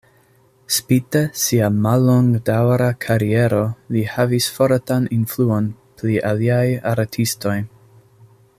Spite sia mallongdaŭra kariero, li havis fortan influon pli aliaj artistoj.